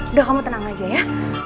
udah kamu tenang aja ya